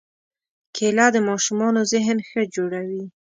کېله د ماشومانو ذهن ښه جوړوي.